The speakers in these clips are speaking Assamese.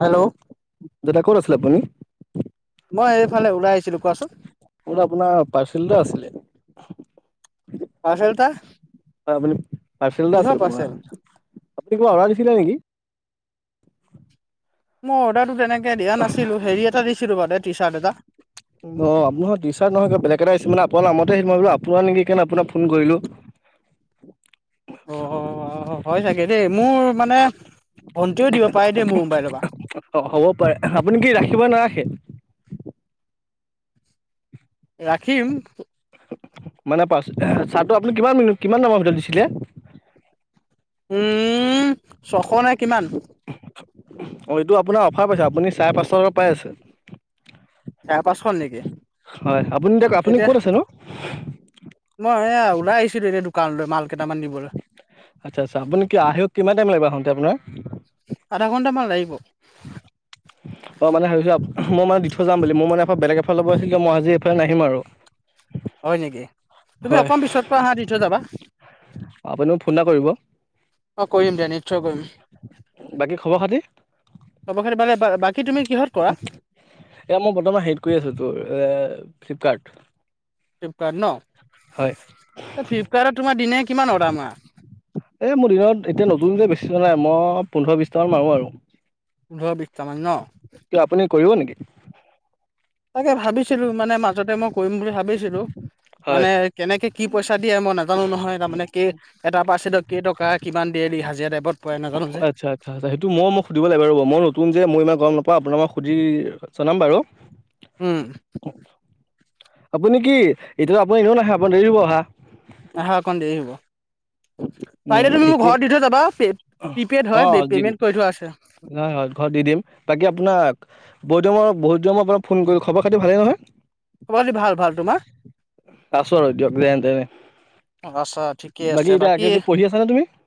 হেল্ল' দেউতা ক'ত আছিলে আপুনি মই এইফালে ওলাই আহিছিলোঁ, কোৱাচোন। মই বোলো আপোনাৰ পাৰ্চেল এটা আছিলে। পাৰ্চেল এটা আপুনি পাৰ্চেল এটা কিহৰ আছিল পাৰ্চেল আপোনাৰ। আপুনি কিবা অৰ্ডাৰ দিছিলে নেকি মই অৰ্ডাৰটো তেনেকে দিয়া নাছিলোঁ। হেৰি এটা দিছিলোঁ বাৰু টি চাৰ্ট এটা। অ' আপোনাৰ টি চাৰ্ট নহয় কিবা বেলেগ এটা আহিছে আপোন নামতে আহিছে মই বোলো আপোনাৰ আপোনাৰ নেকি সেই কাৰণে আপোনাক ফোন কৰিলোঁ। অহ' হয় চাগে দেই মোৰ মানে ভণ্টিও দিব পাৰে দেই মোৰ মোবাইলৰ পৰা অ' হ'ব পাৰে, আপুনি কি ৰাখিব নে নাৰাখে। ৰাখিম। মানে পা চাৰ্টটো আপুনি কিমান কিমান দামৰ ভিতৰত দিছিলে উম ছশ নে কিমান [unintelligible] অ' এইটো আপোনাৰ অফাৰ পাইছে আপুনি চাৰে পাঁচশ টকাত পাই আছে। চাৰে পাঁচশ হ'ল নেকি হয়, আপুনি এতিয়া আপুনি ক'ত আছে নো মই এয়া ওলাই আহিছিলোঁ এতিয়া দোকানলৈ মাল কেইটামান নিবলৈ আচ্ছা, আচ্ছা আপুনি কি আহক কিমান টাইম লাগিব আহোতে আপোনাৰ আধা ঘণ্টামান লাগিব। অ' মানে আজি ভাবিছো মই মানে দি থৈ যাম বুলি মোৰ মানে এফ বেলেগ এফালে যাব আছিল মই আজি এইফালে নাহিম আৰু হয়ঁ নেকি? তুমি হয় অকণ পিছতকৈ আহা দি থৈ যাবা। আপুনি মোক ফোন এটা কৰিব অঁ কৰিমদে নিচ্ছয় কৰিম। বাকী খবৰ খাতি চবকে সিপাকে বা বাকী তুমি কিহত কৰা? এ মই বৰ্তমান হেট কৰি আছোঁ তোৰ এ ফ্লিপকাৰ্ট। ফ্লিপকাৰ্ট ন হয় এই ফ্লিপকাৰ্টত তোমাৰ দিনে কিমান অৰ্ডাৰ মৰা? এই মোৰ দিনত এতিয়া নতুন বেছি নোলায়। মই পোন্ধৰ বিশটা মান মাৰো আৰু। পোন্ধৰ বিশছটা মান ন। কিয় আপুনি কৰিব নেকি? তাকে ভাবিছিলোঁ মানে মাজতে মোক। কৰিম বুলি ভাবিছিলোঁ, হয় মানে কেনেকে কি পইচা দিয়ে, মই নাজানোঁ নহয়। তাৰমানে কি- এটা পাৰ্চছেডক কেই টকা কিমান দেয়ে হাজিৰা টাইপট। আচ্ছা। আচ্ছা, আচ্ছা সেইটো মই মোক সুধিব লাগিব ৰ' মই নতুন যে মই ইমান গ'ম নাপাওঁ। আপোনাক মই সুধি জনাম বাৰু। উমঁ। আপুনি কি এতিয়াতো আপুনি এনেও নাহে, আপুনি দেৰি হ'ব অহা। আহা অকণ দেৰি হ'ব, উম, পাৰিলে তুমি মোক ঠিকেই ঘৰত দি থৈ যাবা? প্ৰিপেড অঁ হয়ঁ, দিম পেমেণ্ট কৰি থোৱা আছে। হয় হয় ঘৰত দি দিম বাকী আপোনাক বহুতৰ বহুত দিনৰ মই আপোনাক ফোন কৰিলোঁ। খবৰ খাতি ভালেই নহয়? খবৰ খাটি ভাল ভাল তোমাৰ? আছোঁ আৰু যেনেতেনে - আছা, ঠিকে আছে বাকী- ওম।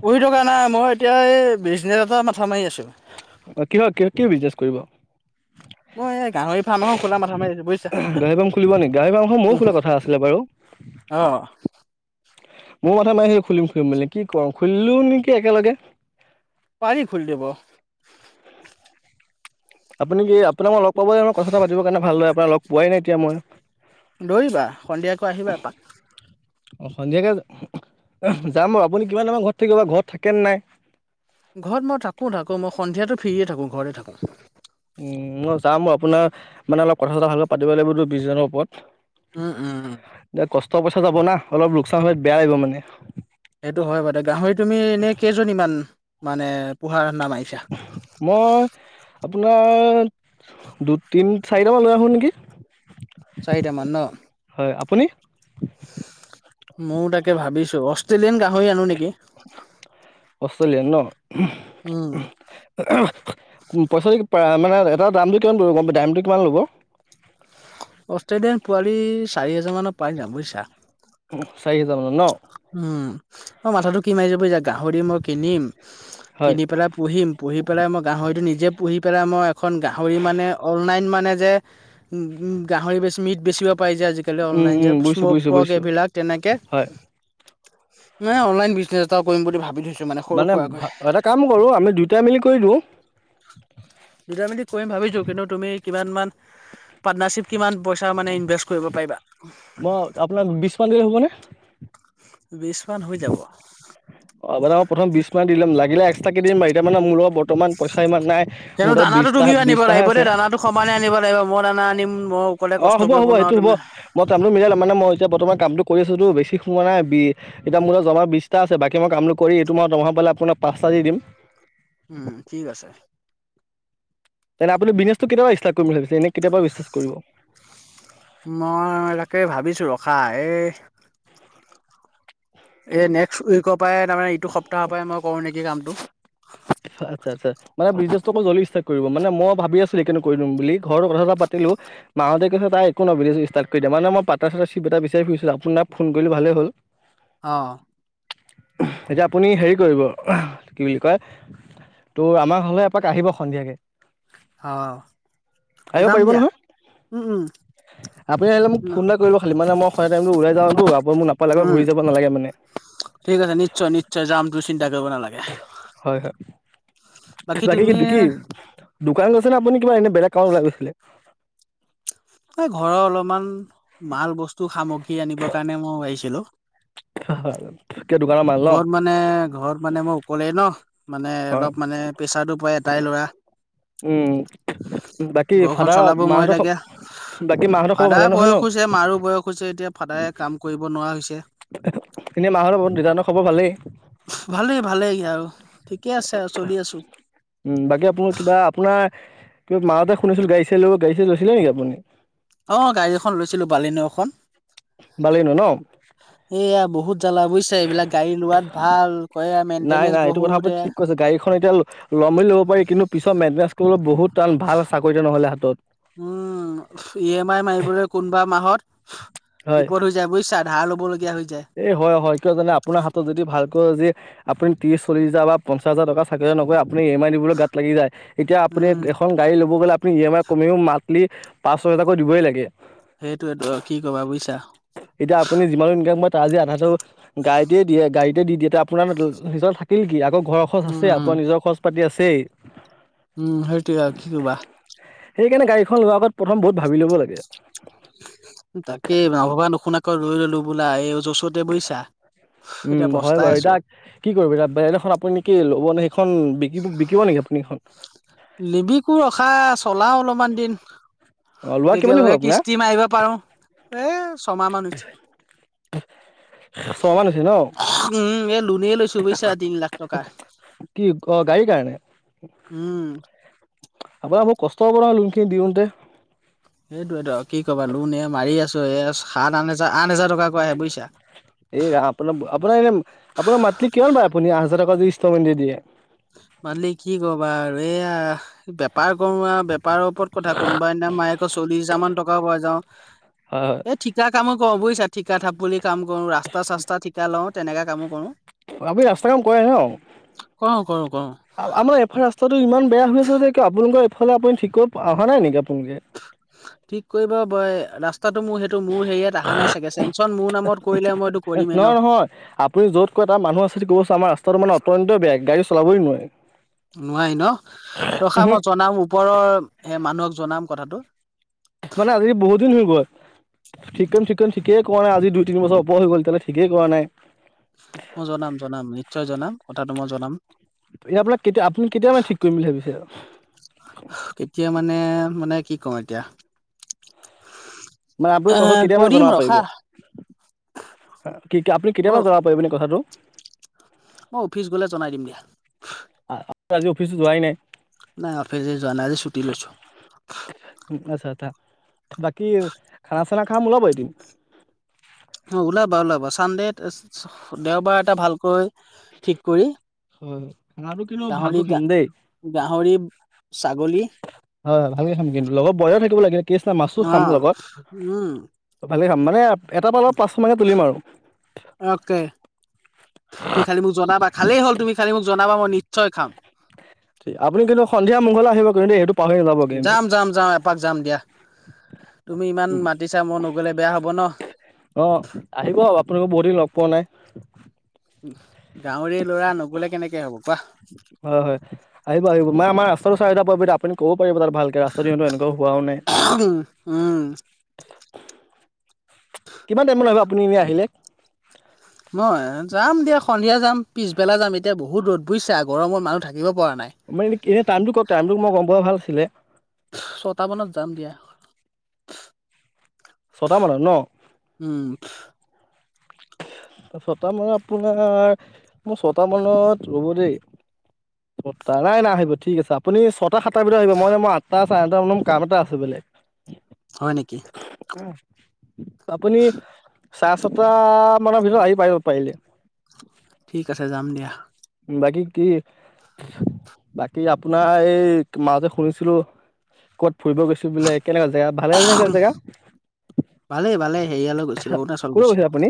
পঢ়ী থকা নাই মই এতিয়া এই বিজনেছ এটা মাথা মাৰি আছোঁ। কিহত কি কি বিজনেছ কৰিবা। মই এই গাহৰি ফাৰ্ম এখন খোলা মাথা মাৰি আছো বুজিছা গাহৰি ফাৰ্ম খুলিব নেকি গাহৰি ফাৰ্ম ময়ো খোলা আছিলে বাৰু। অঁ! মোৰ মথা নাই স খুলিম খুলিম মেলি কি কৰওঁ খুলিলো নেকি একেলগে পাৰী খুলি দিব। আপুনি কি আপোনাক মই লগ পাব মই কথা পাতিৰ কাৰণে ভাল হয় আপোনাক লগ পোৱাই নাই এতিয়া মই। দোৰিবা সন্ধিয়াকৈ আহিবা এপাক। অঁ সন্ধিয়াকৈ যাম বাৰু আপুনি কিমান সময় ঘৰত থাকিব বা ঘৰত থাকেনে নাই? ঘৰত মই থাকোঁ থাকোঁ মই সন্ধিয়াটো ফ্ৰিয়ে থাকোঁ ঘৰতে থাকোঁ। উমঁ মই যাম বাও আপোনাৰ মানে অলপ কথা চথা ভালকৈ পাতিব লাগিবত বিশছজনৰ ওপৰত। উমঁ উমঁ! এতিয়া কষ্ট পইচা যাব না অলপ লোকচান হ'লে বেয়া লাগিব মানে। সেইটো হয় বাইদে গাহৰি তুমি এনেই কেইজনীমান মানে পোহাৰ ৰান্দা মাই- মই আপোনাৰ দু তিনি চাৰিটামান লৈ আহোঁ নেকি? চাৰিটামান ন। হয়ঁ আপুনি? ময়ো তাকে ভাবিছোঁ অষ্ট্ৰেলিয়ান গাহৰি আনো নেকি? অষ্ট্ৰেলিয়ান ন! ওম! ওঁম পইচাটো মানে এটা দামটো কিমান পৰিব গম দামটো কিমান ল'ব? অষ্ট্ৰেলিয়ান পোৱালি চাৰি হেজাৰ মানত পাই যাম বুজিছা। চাৰি হোজাৰ মানত ন। উম, অ, মাথাটো কি মাৰিচো বুইচা গাহৰি মই কিনিম হয় কিনি পেলাই পুহিম। পুহি পেলাই মই গাহৰিটো নিজে পুহি পেলাই মই এখন গাহৰি মানে অনলাইন মানে যে উম-উম গাহৰি বেছি মিট বেচিব পাৰি যে আজিকালি উম অনলাইন উম যে বুজিছো স্ম'ক বুজিছো পৰ্ক বুজিছো এইবিলাক তেনেকৈ হয় মানে অনলাইন বিজনেছ এটাও কৰিম বুলি ভাবি থৈছো। সৰু মানে সুৰাকৈ ভা এটা কাম কৰো আমি দুইটাই মিলি কৰি দিওঁ। দুটা মিলি কৰিম ভাবিছোঁ কিন্তু তুমি কিমান মান পাৰ্টনাৰশ্বিপ কিমান পইচা মানে ইনভেষ্ট কৰিব পাৰিবা? মই আপোনাক বিশ মান দিলে হ'বনে? বিছমান হৈ যাব। অ, মানে মই প্ৰথম বিশ মান দি ল'ম লাগিলে এক্সট্ৰাকৈ দিম বৰু এতিয়া মানে মোৰ লগত বৰ্তমান পইচা ইমান নাই। মোৰ কিন্তু তাত দানাটো বিশটা তুমিও আনিব বিশটাহে লাগিব আছে দেই দানাটো সমানে আনিব লাগিব মই দানা আনিম মই অকলে অ, কষ্ট হ'ব কৰিব হ'ব নোৱাৰো সেইটো হ'ব। তুমি মই কামটো মিলাই ল'ম মানে মই এতিয়া বৰ্তমান কামটো কৰি আছোতো বেছি সোমাৱা নাই বি এতিয়া মোৰ জমা বিছটা আছে, বা মই কামতো কৰি এইটো মাহত দৰমহা পালে আপোনাক পাঁচ এটা দি দিম। উম, ঠিক আছে। তেনে আপুনি বিজনেছটো কেতিয়া পা ইষ্টাৰ্ট কৰিম বুলি ভাবিছে? এনে কেতিয়াবা বিচনেচ কৰিব? মই তাকে ভাবিছোঁ ৰখা এই এই নেক্স উইকৰ পৰাই তাৰমানে এইটো সপ্তাহৰ পৰাই মই কৰোঁ নেকি কামটো। আটচ্ছা আটচ্ছা। মানে বিজনেছটো আকৌ জ ল্দি ষ্টাৰ্ট কৰিব মানে মই ভাবি আছিলোঁ [unintelligible] কৰি দিম বুলি ঘৰৰ কথা এটা পাতিলোঁ। মাহঁতে কৈছে তাই একো ন [unintelligible] ষ্টাৰ্ট কৰি দে মানে মই পটা চাটা চিপ এটা বিচাৰি ফুৰিছো আপোনাক ফোন কৰিলো ভাল হ'ল। [unintelligible] অ'। এতিয়া আপুনি হেৰি কৰিব কি বুলি কয় ত', আমাৰ ঘৰলে এপাক আহিব সন্ধিয়াকে। অ, আহিব যাম পাৰিব দিয়া, নহয় উম, উম। আপুনি আহিলে মোক ফোন এটা কৰিব খালি মানে মই খোৱা টাইমতো ওলাই যাওঁতো আপোনি মোক নাপালে উম ঘূৰি যাব নালাগে মানে। ঠিক আছে নিশ্চয় নিশ্চয় যাম তুমি চিন্তা কৰিব নালাগে। হয়, হয়। বাকী কিন্ত কি? দোকানত গৈছে নে কিবা এনে বেলেগ কামত ওলাই গৈছিলে? এ ঘৰৰ অলপমান মাল বস্তু সামগ্ৰী আনিবৰ কাৰণে মই আহিছিলো। [unintelligible] কিবা দোকানৰ মাল ন ঘৰত মানে ঘৰত মানে মই উকলেই ন, মানে হয় অলপ মানে প্ৰেছাৰটো পৰে এটাই ল'ৰা। উম, বাকী ঘৰখন ফাদাৰ মাহঁতৰ খব বাকী মাহঁতৰ খব ফাদাৰৰ বয়স হৈছে মাৰো বয়স হৈছে এতিয়া ফাদাৰে কাম কৰিব নোৱাৰা হৈছে। এনেই মাহঁতৰ দেতাহঁতৰ খবৰ ভালেই। ভালেই ভালেই আৰু ঠিকে আছে আৰু চলি আছো। উম, বাকী আপোন কিবা আপোনাৰ কিবা মাজতে শুনিছিলো গাড়ী চাই লব গাড়ী চাই লৈছিলে নেকি আপুনি? অ, গাড়ী এখন লৈছিলোঁ বালিন' এখন। বালিন' ন'? এইয়া বহুত জ্বালা বুজিছে এইবিলাক গাড়ী লোৱাত ভাল কয় নাই মেনটেনেইন্চ নাই এইটো কথা বহুতে আপুনি এ ঠিক গাড়ীখন এতিয়া ল'ম বুলি ল'ব পাৰি কিন্তু পিছত মেন্তেনেচ কৰিবলৈ টান ভাল চাকৰি এটা নহ'লে হাতত। উম, ই এম আই মাৰিবলৈ কোনোবা মাহত বিপদ হৈ হৈ যায় বুজিছা, ধাৰ ল'বলগীয়া হৈ যায়। এ, হয় হয় কিয় জানে আপোনাৰ হাতত যদি ভালকৈ যে আপুনি ত্ৰিছ চল্লিছ হাজাৰ বা পঞ্চাছ হাজাৰ টকাৰ চাকৰি এটা নকৰে আপুনি ই এম আই দিব মোৰো গাত লাগি যায়, এতিয়া আপুনি উম এখন গাড়ী ল'ব গ'লে আপুনি ই এম আই কমেও মান্থলি পাঁচ ছয় হজাৰাকৈ দিবই লাগে। সেইটোৱেতো আৰু কি ক'বা বুজিছা। এতিয়া আপুনি যিমানেই [unintelligible] আজি আধাটো গাড়ীতে দিয়ে, গাড়ীতে দি দিয়ে আপোনালৈ নিজৰ থাকিল কি আকৌ ঘৰৰ খৰচ উম আছে, উম আপোনাৰ নিজৰ খৰচ পাতি আছেই। উম, সেইটোয়ে আৰু কি ক'বা। সেইকাৰণে গাড়ীখন লোৱাৰ আগত প্ৰথম বহুত ভাবি ল'ব লাগে। তাকে নভবা নোশুনাকে লৈ ল'লোঁ বোলা এই য'চত এতিয়া বুজিছা, এতিয়া উম হয় পস্তাই বাৰু আছোঁ। এতিয়া কি কৰিব এতিয়া বেলেগ এখন আপুনি ল'ব নে সেইখন বিকিব নেকি আপুনি এইখন? নিবিকো ৰখা চলাও অলপমান দিন। অ লোৱা কিমান দিন হ'ল যেতিয়ালৈকে আপোনাৰ কিস্তি মাৰিব পাৰোঁ, এ, ছমাহ মান হৈছে। ছমাহ মান হৈছে ন'? উম, এ, লোনেই লৈছোঁ বুইছা তিনি লাখ টকা। কি অ' গাড়ীৰ কাৰণে? উম। আপোনাৰ বহুত কষ্ট হ'ব নহয় লোনখিনি দিওঁতে। সেইটোৱেতো কি ক'বা লোন এ, মাৰি আছোঁ, এই সাত আঠ হাজাৰ টকাকৈ আহে বুজিছা। এই ৰাম, আপোনা আপোনাৰ মান্থলী কিমান পায় আপুনি আঠ হাজাৰ টকা যদি ইনষ্টলমেণ্টে দিয়ে? মান্থলী কি ক'বা আৰু এইয়া। বেপাৰ কৰোঁ আৰু বেপাৰৰ ওপৰত কথা, কোনোবা এদিনা মাহেকত আকৌ চল্লিশ হাজাৰ মান টকাও পাই যাওঁ। হয় হয়। এই ঠিকা কামে কৰোঁ বুজিছা, ঠিকা থাপলী কাম কৰোঁ ৰাস্তা ৰাস্তা চাস্তা ঠিকা লওঁ তেনেকা কামো কৰোঁ। আপুনি ৰাস্তা কাম কৰে ন আমাৰ এফাল ৰাস্ত ৰাস্তাটো ইমান বেয়া হৈ আছে যে কিয় আপোনালোকৰ এই ফালে আপুনি কি ঠিক কৰিব পৰা নাই নেকি আপোনালোকে। ঠিক কৰিব বই পা ৰাস্তাটো মোৰ সেই মোৰ হেৰিয়াত আহা নাই চাগে, চেংচন মোৰ নামত কৰিলে মই এইটো কৰিমেই ন'। হয়, আপ পুনি য'ত কৰে তাত মানুহ আছে ক'বচোন, আমাৰ ৰাস্তাটো মান অত্যন্তই বেয়া গাডী চলাবই নোৱাৰি। নোৱাৰি ন' ৰখা মই জনাম ওপৰৰ সেই মানুহক জনাম কথাটো। মানে আজি বহু দিন হৈ গ'ল। ঠিক কৰিম ঠিক কৰিম ঠিকেই কৰা নাই, আজি দুই তিনি বছৰ ওপৰত হৈ গ'ল এতিয়ালৈ ঠিকেই কৰা নাই। মই জনাম জনাম, নিশ্চয় জনাম কথাটো মই জনাম। এয়া আপোনাক কেতিয়া আপুনি কেতিয়া মানে ঠিক কৰিম বুলি ভাবিছে? কেতিয়া মানে মানে কি ক'ম এতিয়া মানে আপুনি এ কথাটো কেতিয়া মানে কৰিম জনাব পাৰিব, ৰখা কি কি আপুনি কেতিয়া মই মানে জনাব পাৰিব এনে কথাটো? মই অফিচ গ'লে জনাই দিম দিয়া। আ, আজি অফিচো যোৱাই নাই। নাই অফিচে যোৱা নাই, আজি ছুটি লৈছোঁ। আচ্ছা আচ্ছা, বাকী খানা চানা খাম ওলাবা এদিন। অ ওলাবা ওলাবা চানডেত, দেওবাৰ এটা ভালকৈ ঠিক কৰি হয় হয় খানাটো কিন্তু ভালটো গাহৰি খাম দেই। গাহৰি ছাগলী হয় হয় ভালকে খাম কিন্তু লগত বইলাৰ থাকিব লাগে কেছ নাই, মাছো অ খাম লগত। উম ভালে খাম মানে এটা পা পাঁচ মানে তুলিম আৰু। খালী মোক জনাবা, খালেই হ'ল তুমি খালী মোক জনাবা মই নিশ্চয় খাম। আপুনি কিন্তু সন্ধিয়া মোৰ ঘৰলৈ আহিব কিন্তু সেইটো পাহৰি নাযাব কিন্তু যাম যাম যাম এপাক যাম দিয়া, তুমি ইমান মাতিছা মই নগ'লে বেয়া হ'ব ন। অ আহিব আপোনালোকক বহু দিন লগ পোৱা নাই। গাঁৱৰেই ল'ৰা নগলে কেনেকে হ'ব, কোৱা? হয় হয়। আহিব আহিব মই আমাৰ ৰাস্তটো চাই এটা পাব আপুনি ক'ব পাৰিব তাত ভালকে ৰাস্তাটো সিহঁত এনেকুৱা হোৱাও নাই। উম। কিমান টাইমত আহিব আপুনি আহিলে? মই যাম দিয়া সন্ধিয়া যাম পিছবেলা যাম এতিয়া বহুত ৰ'দ বুজিছা, গৰমত মানুহ থাকিব পৰা নাই। ম এই কি টাইমটো ক টাইমোটো মই গম পোৱা ভাল আছিলে। ছটা মানত যাম দিয়া। ছটা মানত ন? উম। ছটামান আপোনাৰ মোৰ ছটামানত ৰ'ব দেই ছটা নাই নাই আহিব ঠিক আছে, আ পুনি ছটা সাতটাৰ ভিতৰত আহিব মই মই আঠটা চাৰে নটা মানত মোৰ কাম এটা আছে বেলেগ। হয় নেকি? উ আপুনি চাৰে ছটা মানৰ ভিতৰত আহি পাৰিব পাৰিলে। ঠিক আছে যাম দিয়া। বাকী কি, বাকী আপোনাৰ এই মা যে শুনিছিলো ক'ত ফুৰিব গৈছিলে বোলে? কেনেকা জেগা ভালে জেগৈ জেগা, ভালেই ভালেই হেৰিয়ালৈ গৈছিলো অৰুণাচল কলৈ গৈছিলো গৈছিলে আপুনি?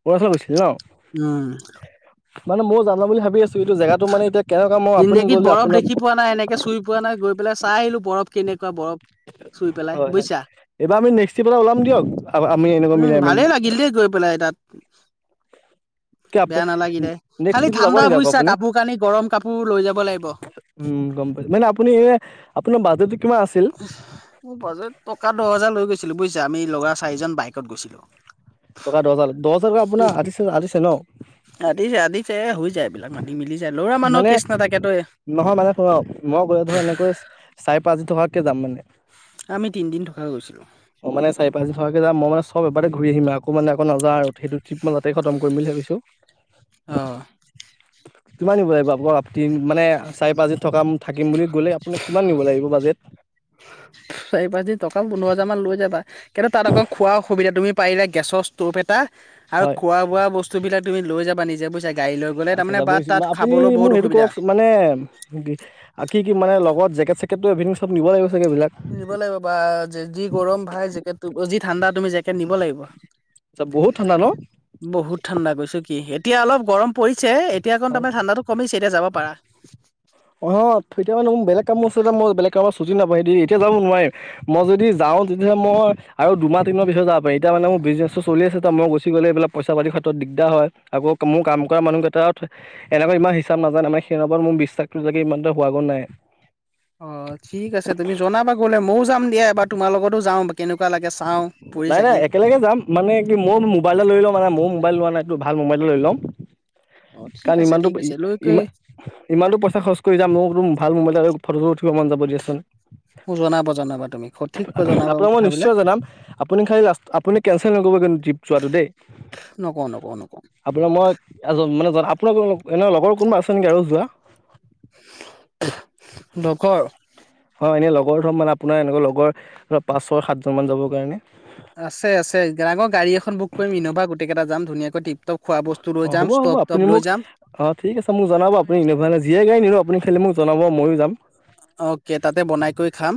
অৰুণাচল গৈছিলে ন? উম। মানে ময়ো জাবা বুলি ভাবি আছো। এইটো জেগাতটো মানে এতিয়া কেনেকুৱা মই আপুনি জিন্দগীত গ'লে বৰফ আপোনা দেখি পোৱা নাই এনেকে চুই পোৱা নাই গৈ পেলাই চাই আহিলো, বৰফ কেনেকুৱা বৰফ চুই পেলাই হয় হয় বুজিছা। এইবাৰ আমি নেক্সতি পেলায় ওলাম দিয়ক, আমি এনেকৈ মিলাই মি ভালে লাগিল দেই গৈ পেলাই তাত। কি বেয়া নালাগিলে, নেক্সট খালি ট্ৰিপ যাব ঠাণ্ডা নেকি আকৌ বুইছাত। আপুনি কাপোৰ-কানি গৰম কাপোৰ লৈ যাব লাগিব। উম গম পাইছো মানে আপুনি এ আপোনাৰ বাজেটো কিমান আছিল? মোৰ বাজেত টকা দছ হাজাৰ লৈ গৈছিলো বুজিছা, আমি লৰা চাৰিজন বাইকত গৈছিলো। টকা দহ হাজাৰ দহ হাজাৰ আপোনাৰ আতিছে আতিছে ন? আতিছে আতিছে হৈ যায়। এইবিলাক মাতি মিলি যায় ল'ৰা মানুহৰ মানে কেচ নাথাকেতো নহয় মানে শুনক, মই কৈছো ধৰ এনেকৈছ চাৰে পাঁচদিন থকাকে যাম মানে। আমি তিনদিন থকাকে গৈছিলো। অ মানে চাৰি-পাঁচদিন থকাকে যাম মই মানে চব এবাৰতে ঘূৰি আহিম, আকৌ মানে আকৌ নাযাওঁ আৰু সেইটো ট্ৰপ মই তাতে খতম কৰিম বুলি ভাবিছো। অ। কিমান নিব লাগিব আকৌ তিন মানে, চাৰি-পাঁচদিন থকাম থাকিম বুলি গ'লে আপোনাক কিমান নিব লাগিব বাজেট? চাৰি-পাঁচদিন টকা পোন্ধৰ হাজাৰ মান লৈ যাবা, কিন্তু তাত অকণ খোৱা অসুবিধা তুমি পাৰিলে গেছৰ ষ্টভ এটা আৰু হয় খোৱা-বোৱা বস্তু বিলাক তুমি লৈ যাবা, নিজে বুজিছা গাডী লৈ গ'লে আচ্ছা তাৰমানে বা যাবই চোন তাত আপুনি খাবলৈ মোক বহুত সেইটো অসুবিধা কৰকচোন মানে কি কি কি মানে লগত, জেকেট-চেকেটটো এভিনিং চব নিব লাগিব চাগে এইবিলাক? নিব লাগিব বা যি গৰম ভাই জেকট, যি ঠাণ্ডা তুমি জেকেট নিব লাগিব। আচ্ছা বহুত ঠাণ্ডা ন'। বহুত ঠাণ্ডা কৈছো কি এতিয়া অলপ গৰম পৰিছে, এতিয়া অকন হয় মানে ঠাণ্ডাতো কমিছে এতিয়া যাব পাৰা। অ', এতিয়া মানে মোৰ বেলেগ কামো আছে যে, মই বেলেগ কামত ছুটি নাপাওঁ দি এতিয়া যাব নোৱাৰে মই যদি যাওঁ তেতিয়া হ'লে মই, আৰু দুমাহ তিনিমাহ পিছত যাব পাৰি। এতিয়া মানে মোৰ বিজনেছ চলি আছে ত' মই গুচি গ'লে এইবিলাক পইচা পাতি ক্ষেত্ৰত দিগদাৰ হয়, আকৌ মোৰ কাম কৰা মানুহ কেইটাত এনেকুৱা ইমান হিচাপ নাজানে মানে, সেই ওপৰত মোৰ বিশ্বাসটো চাগে ইমান হোৱা গৈ নাই। অ', ঠিক আছে তুমি জনাবা গ'লে, ময়ো যাম দিয়া এবাৰ তোমাৰ লগতো যাওঁ। কেনেকুৱা লাগে চাওঁ ফুৰি নাই নাই চাকি একেলগে যাম। মানে কি মোৰ মোবাইল এটা লৈ লওঁ মানে, মোৰ মোবাইল লোৱা নাইটো ভাল মোবাইল এটা লৈ লম। অ ঠিক কাৰণ আছে ইমানতো ঠিক আছে লৈ কৈ ইমা ইমানতো পইচা খৰচ কৰি যাম, মইতো ভাল মোবাইল এটা লৈ ফটো-ছটো উঠিব মন যাব দিয়াচোন। মোক জনাব জনাবা তুমি সঠিক কৈ জনাবা আপোনাক মই কথাবিলাক নিশ্চয় জনাম, আপুনি খালি লাষ্ট আপুনি কেনঞ্চেল নকৰিব কিন্তু ট্ৰিপ যোৱাটো দেই। নকওঁ নকওঁ নকওঁ। আপোনাৰ মই এজন, মানে জন আপোনাৰ এনে লগৰ কোনোবা আছে নেকি আৰু যোৱা? লগৰ অ', এনে লগৰ ধৰক মানে আপোনাৰ এনেকুৱা লগৰ, ধৰ' পাঁচ চয় সাতজন মান যাবৰ কাৰণে। আছে আছে আগৰ গাড়ী এখন বুক কৰিম, ইন'ভা গোটেই কেইটা যাম ধুনীয়াকৈ টপটপ খোৱা বস্তু লৈ অ', যাম হ'ব হ'ব ষ্টভ টভ আপুনি লৈ মোক যাম অ', ঠিক আছে মোক জনাব, আপুনি ইন'ভা যিয়ে গাড়ী নিনিয়ে আপুনি খালি মোক জনাব ময়ো যাম। অকে তাতে বনাই কৰি খাম।